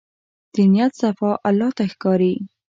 د نیت صفا الله ته ښکاري.